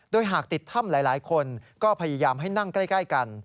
โดยหากติดถ้ำหลายคนก็พยายามให้นั่งใกล้กัน